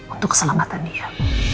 untuk keselamatan dia